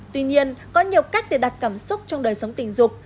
tuy nhiên có nhiều cách để đặt cảm xúc trong đời sống tình dục